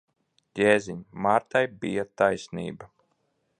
Jēziņ! Martai bija taisnība.